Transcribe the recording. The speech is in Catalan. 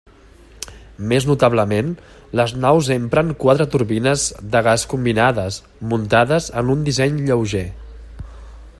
Més notablement, les naus empren quatre turbines de gas combinades, muntades en un disseny lleuger.